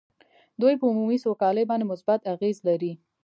دوی په عمومي سوکالۍ باندې مثبت اغېز لري